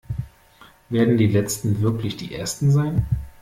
Werden die Letzten wirklich die Ersten sein?